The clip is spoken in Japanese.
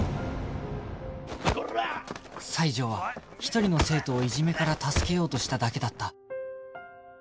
西条は一人の生徒をいじめから助けようとしただけだった